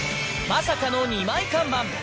『まさかの⁉二枚看板‼』。